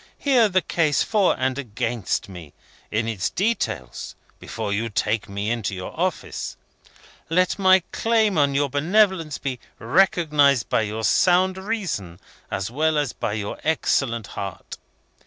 Hear the case for and against me, in its details, before you take me into your office. Let my claim on your benevolence be recognised by your sound reason as well as by your excellent heart.